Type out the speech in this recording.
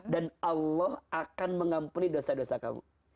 dan allah akan mengampuni dosa dosa kamu